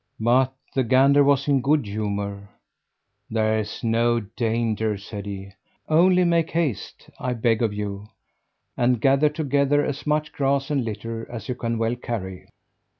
But the gander was in a good humour. "There's no danger," said he. "Only make haste, I beg of you, and gather together as much grass and litter as you can well carry."